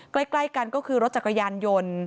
ใกล้กันก็คือรถจักรยานยนต์